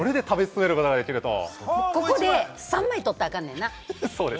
ここで３枚取ったらアカンねんな。